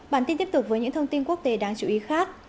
bản tin tiếp tục với những thông tin quốc tế đáng chú ý khác